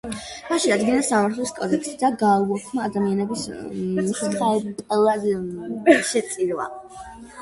მან შეადგინა სამართლის კოდექსი და გააუქმა ადამიანების მსხვერპლად შეწირვა.